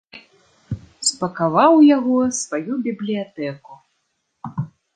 Спакаваў у яго сваю бібліятэку.